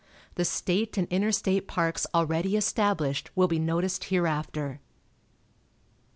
The state and interstate parks already established will be noticed hereafter. RELIGION.